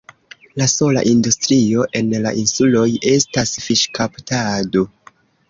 La sola industrio en la insuloj estas fiŝkaptado.